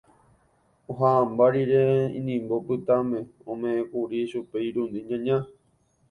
Ohã'ãmba rire inimbo pytãme, ome'ẽkuri chupe irundy ñana.